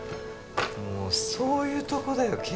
もうそういうとこだよ